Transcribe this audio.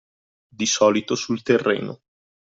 Di solito sul terreno